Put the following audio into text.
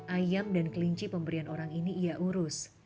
ayam dan kelinci pemberian orang ini ia urus